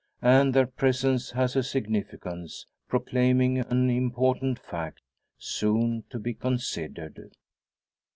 And their presence has a significance, proclaiming an important fact, soon to be considered.